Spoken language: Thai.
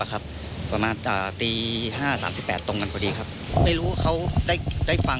อะครับประมาณอ่าตีห้าสามสิบแปดตรงกันพอดีครับไม่รู้เขาได้ได้ฟัง